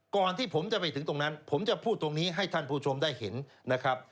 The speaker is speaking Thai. ก่อนที่ผมจะไปถึงตรงนั้นผมจะพูดตรงนี้ให้ท่านผู้ชมได้เห็นนะครับ